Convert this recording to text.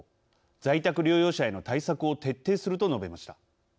在宅療養者への対策を徹底する」と述べました。